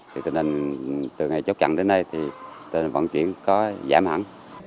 thế nên từ ngày chốt chặn đến nay thì vận chuyển có giảm hẳn